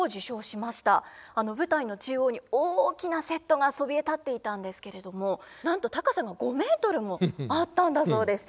舞台の中央に大きなセットがそびえ立っていたんですけれどもなんと高さが５メートルもあったんだそうです。